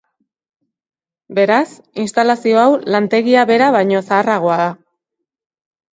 Beraz, instalazio hau lantegia bera baino zaharragoa da.